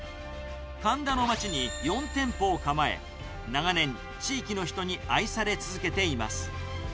神田の街に４店舗を構え、長年、地域の人に愛され続けています。